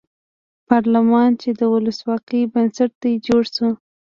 پارلمان چې د ولسواکۍ بنسټ دی جوړ شو.